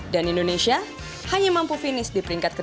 dan indonesia hanya mampu finish di peringkat ke tujuh